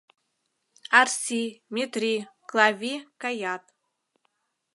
Арси, Метри, Клави каят.